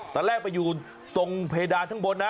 แต่แรกมันอยู่ตรงเพดานข้างบนนะ